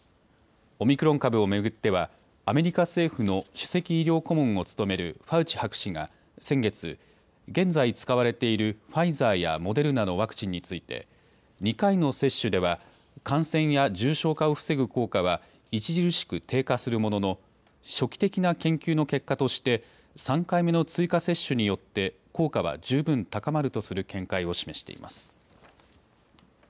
オミクロン株を巡ってはアメリカ政府の首席医療顧問を務めるファウチ博士が先月、現在使われているファイザーやモデルナのワクチンについて２回の接種では感染や重症化を防ぐ効果は著しく低下するものの初期的な研究の結果として３回目の追加接種によって効果は十分高まるとする見解を示しています。